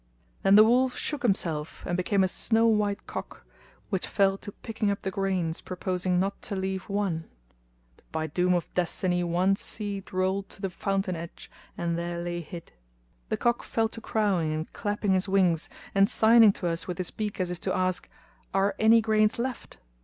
Then the wolf shook himself and became a snow white cock, which fell to picking up the grains purposing not to leave one; but by doom of destiny one seed rolled to the fountain edge and there lay hid. The cock fell to crowing and clapping his wings and signing to us with his beak as if to ask, ' Are any grains left?"